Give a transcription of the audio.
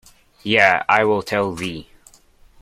Yea, I will tell thee.